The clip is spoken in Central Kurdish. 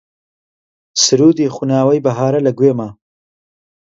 سروودی خوناوەی بەهارە لە گوێما